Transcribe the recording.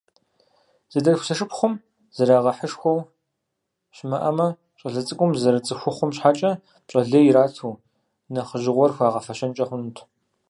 Зэдэлъху-зэшыпхъум зэрагъэхьышхуэ щымыӀэмэ, щӀалэ цӀыкӀум зэрыцӀыхухъум щхьэкӀэ пщӀэ лей ирату нэхъыжьыгъуэр хуагъэфэщэнкӀэ хъунут.